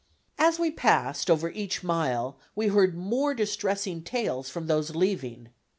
As we passed over each mile we heard more distressing tales from those leaving.